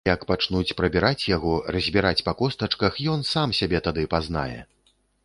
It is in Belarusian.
Як пачнуць прабіраць яго, разбіраць па костачках, ён сам сябе тады пазнае.